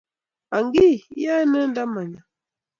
Angii, iyae ne ndama nyo?